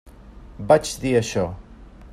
Vaig dir això.